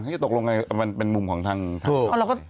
นี่ปรักลงกันเป็นมุมของทางเขา